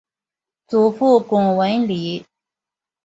祖父龚文礼。